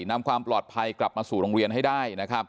นำความปลอดภัยกลับมาสู่โรงเรียนให้ได้